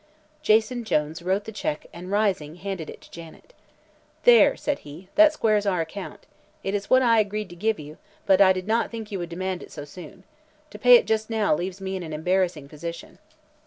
Jason Jones wrote the check and, rising, handed it to Janet. "There," said he, "that squares our account. It is what I agreed to give you, but I did not think you would demand it so soon. To pay it just now leaves me in an embarrassing position."